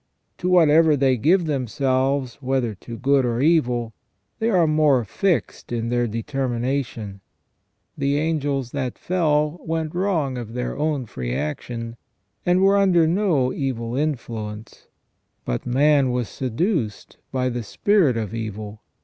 To whatever they give themselves, whether to good or evil, they are more fixed in their determination. The angels that fell went wrong of their own free action, and were under no evil influence ; but man was seduced by the spirit of evil.